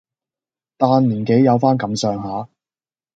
但年紀有返咁上下